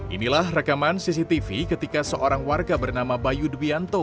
inilah rekaman cctv ketika seorang warga bernama bayu debianto